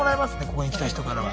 ここに来た人からは。